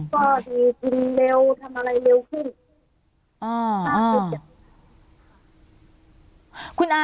ก็ดีกินเร็วทำอะไรเร็วขึ้น